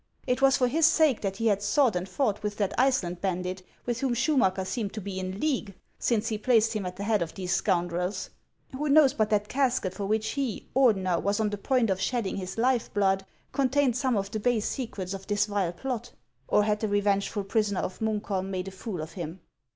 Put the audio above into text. It was for his sake that he had sought and fought with that Iceland bandit with whom Schumacker seemed to be in league, since he placed him at the head of these scoundrels ! Who knows but that casket for which he, Ordener, was on the point of shedding his lifeblood. contained some of the base secrets of this vile plot ? Or had the revengeful prisoner of Munkholm made a fool of him